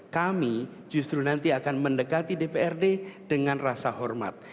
kami justru nanti akan mendekati dprd dengan rasa hormat